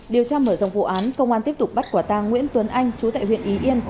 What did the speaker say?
điều tra mở rộng vụ án công an tiếp tục bắt quả tang nguyễn tuấn anh chú tại huyện y yên